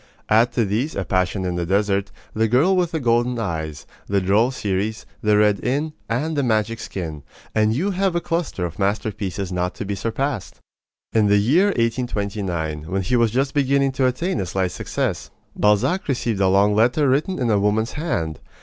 Add to these A Passion in the Desert, The Girl with the Golden Eyes, The Droll Stories, The Red Inn, and The Magic Skin, and you have a cluster of masterpieces not to be surpassed. In the year 1829, when he was just beginning to attain a slight success, Balzac received a long letter written in a woman's hand.